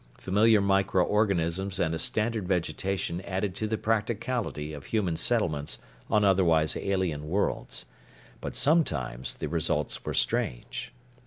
Familiar microorganisms and a standard vegetation added to the practicality of human settlements on otherwise alien worlds. But sometimes the results were strange.